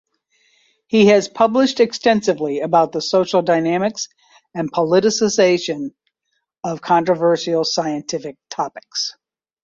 He has published extensively about the social dynamics and politicisation of controversial scientific topics.